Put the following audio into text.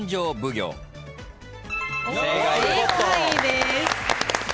正解です。